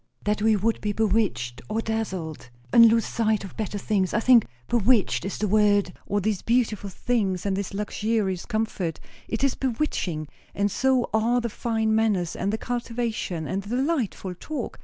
"That we would be bewitched or dazzled and lose sight of better things; I think 'bewitched' is the word; all these beautiful things and this luxurious comfort it is bewitching; and so are the fine manners and the cultivation and the delightful talk.